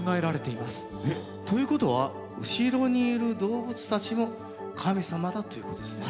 ということは後ろにいる動物たちも神様だということですね。